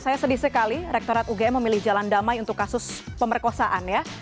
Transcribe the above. saya sedih sekali rektorat ugm memilih jalan damai untuk kasus pemerkosaan ya